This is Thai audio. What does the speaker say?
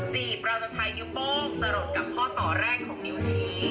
จีบเราจะใช้นิ้วโป้งสลดกับข้อต่อแรกของนิวซี